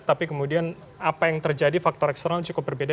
tapi kemudian apa yang terjadi faktor eksternal cukup berbeda